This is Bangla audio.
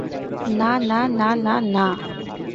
না, না, না, না, না!